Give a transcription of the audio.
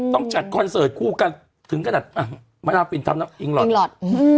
ต้องจัดคอนเซิร์ตคู่กันถึงขนาดมาดาวฟินทำเนาะอิงหลอด